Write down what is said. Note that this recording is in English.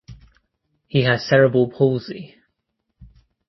He has cerebral palsy.